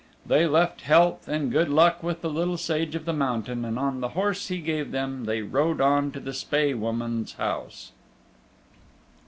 They left health and good luck with the Little Sage of the Mountain, and on the horse he gave them they rode on to the Spae Woman's house.